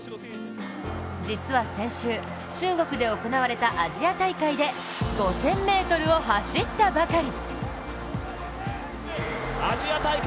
実は先週、中国で行われたアジア大会で５０００ｍを走ったばかり。